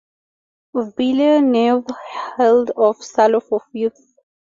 Villeneuve held off Salo for fifth.